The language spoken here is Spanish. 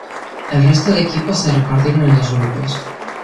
El resto de equipos se repartieron en dos grupos.